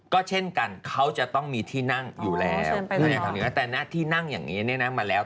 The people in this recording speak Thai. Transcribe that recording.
ก็เช่นกันเขาจะต้องมีที่นั่งอยู่แล้วแต่หน้าที่นั่งอย่างนี้เนี่ยนะมาแล้ว